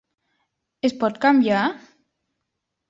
Es pot canviar?